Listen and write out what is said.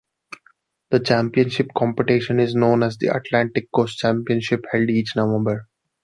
The championship competition is known as the Atlantic Coast Championship held each November.